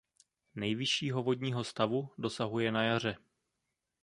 Nejvyššího vodního stavu dosahuje na jaře.